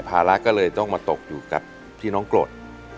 ภาระก็เลยต้องมาตกอยู่กับที่น้องกรด